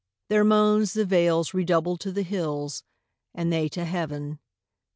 Their moansThe vales redoubled to the hills, and theyTo heaven.